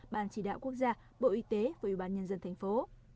ban chỉ đạo quốc gia bộ y tế và ủy ban nhân dân thành phố